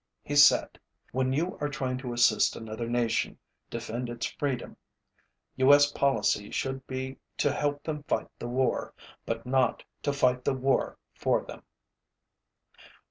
He said: ōWhen you are trying to assist another nation defend its freedom, U.S. policy should be to help them fight the war, but not to fight the war for them.